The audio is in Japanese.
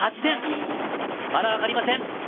まだわかりません。